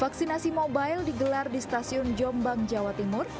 vaksinasi mobile digelar di stasiun jombang jawa timur